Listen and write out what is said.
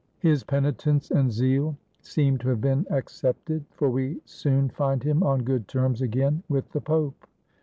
His penitence and zeal seem to have been accepted, for we soon find him on good terms again with the Pope.